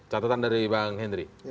catatan dari bang hendri